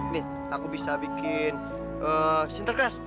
nih aku bisa bikin sinterkras